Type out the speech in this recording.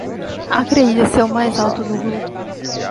Acredito ser o mais alto do grupo